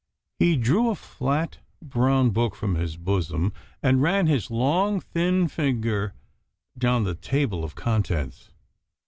He drew a flat brown book from his bosom, and ran his long thin finger down the table of contents.